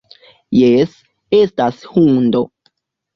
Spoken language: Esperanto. Jes, estas hundo.